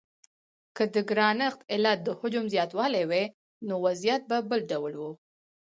که د ګرانښت علت د حجم زیاتوالی وای نو وضعیت به بل ډول و.